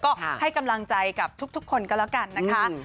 ก็ให้กำลังใจกับทุกคนก็แล้วกันนะคะ